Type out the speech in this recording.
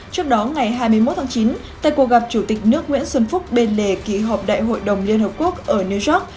trước đó ngày hai mươi một tháng chín tại cuộc gặp chủ tịch nước nguyễn xuân phúc bên lề kỳ họp đại hội đồng liên hợp quốc ở new york